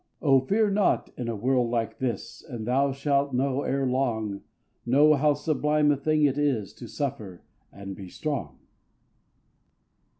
Oh, fear not in a world like this, And thou shalt know ere long, Know how sublime a thing it is To suffer and be strong.